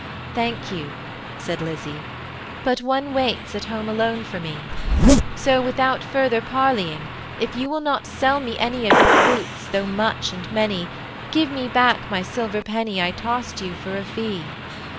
"Thank you," said Lizzie; "but one waits At home alone for me: So, without further parleying, If you will not sell me any Of your fruits though much and many, Give me back my silver penny I tossed you for a fee."